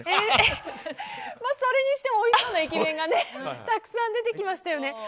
それにしてもおいしそうな駅弁がたくさん出てきましたよね。